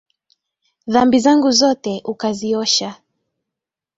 Dhambi zangu zote ukaziosha